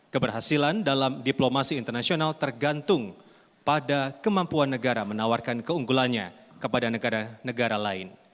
keberhasilan dalam diplomasi internasional tergantung pada kemampuan negara menawarkan keunggulannya kepada negara negara lain